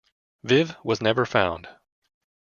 Viv was never found.